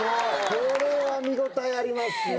これは見応えありますね。